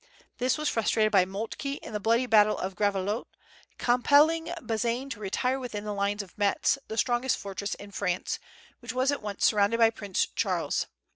This was frustrated by Moltke in the bloody battle of Gravelotte, compelling Bazaine to retire within the lines of Metz, the strongest fortress in France, which was at once surrounded by Prince Charles.